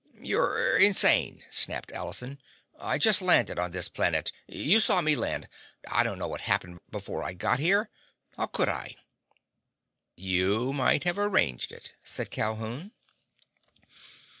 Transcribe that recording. "You're insane!" snapped Allison. "I just landed on this planet! You saw me land! I don't know what happened before I got here! How could I?" "You might have arranged it," said Calhoun.